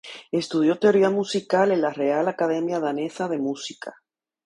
Estudió teoría musical en la Real Academia Danesa de Música.